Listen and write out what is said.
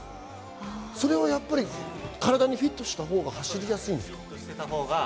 それは体にフィットしたほうが走りやすいからですか？